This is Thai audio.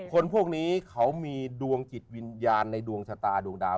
คนพวกนี้เขามีดวงจิตวิญญาณในดวงชะตาดวงดาว